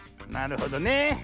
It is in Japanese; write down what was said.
なるほどね。